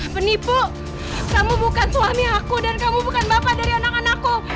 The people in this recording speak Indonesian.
penipu kamu bukan suami aku dan kamu bukan bapak dari anak anakku